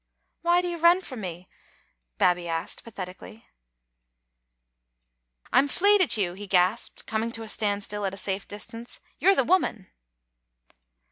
"Why do you run frae me?" Babbie asked, patheti cally. " I'm fleid at you," he gasped, coming to a standstill at a safe distance: "you're the woman!"